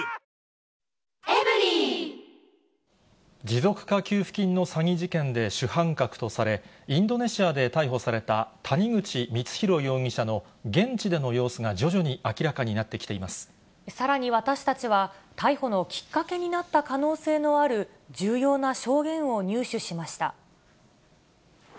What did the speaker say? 持続化給付金の詐欺事件で、主犯格とされ、インドネシアで逮捕された谷口光弘容疑者の現地での様子が徐々にさらに、私たちは逮捕のきっかけになった可能性のある重要な証言を入手しました。